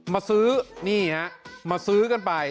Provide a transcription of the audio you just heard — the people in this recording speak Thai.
มาซื้อนี่ฮะมาซื้อกันไป